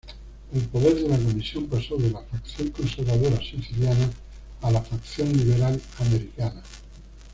El poder de la Comisión pasó de la "facción conservadora-siciliana" a la "facción liberal-americana".